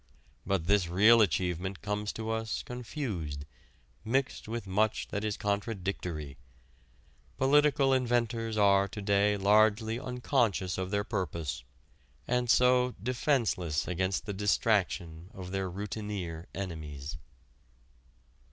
But this real achievement comes to us confused, mixed with much that is contradictory. Political inventors are to day largely unconscious of their purpose, and, so, defenceless against the distraction of their routineer enemies.